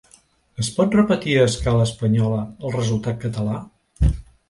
Es pot repetir a escala espanyola el resultat català?